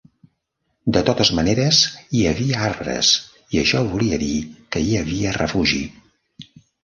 De totes maneres, hi havia arbres i això volia dir que hi havia refugi.